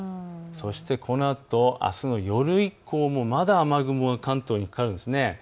このあと夜以降もまだ雨雲が関東にかかるんです。